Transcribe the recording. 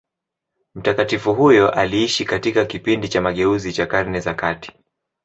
Mtakatifu huyo aliishi katika kipindi cha mageuzi cha Karne za kati.